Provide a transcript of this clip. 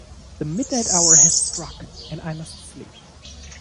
The midnight hour has struck, and I must sleep.